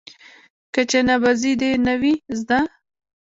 که چنه بازي دې نه وي زده.